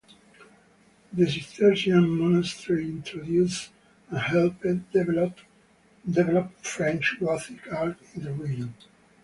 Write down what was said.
The Cistercian monastery introduced and helped develop French Gothic art in the region.